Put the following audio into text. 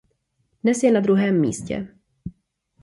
Dnes je na druhém místě.